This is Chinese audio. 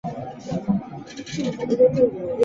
曲线形混凝土坝体外观古朴优美。